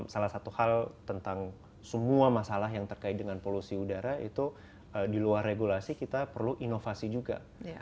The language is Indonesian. salah satu hal tentang semua masalah yang terkait dengan polusi udara itu di luar regulasi kita perlu inovasi juga